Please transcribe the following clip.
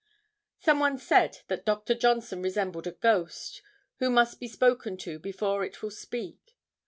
Some one said that Dr. Johnson resembled a ghost, who must be spoken to before it will speak.